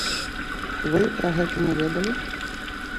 Вы пра гэта не ведалі?